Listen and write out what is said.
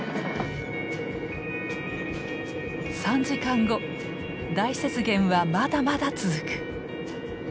３時間後大雪原はまだまだ続く！